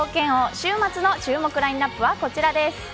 週末の注目ラインアップはこちらです。